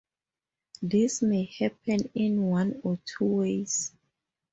This may happen in one of two ways.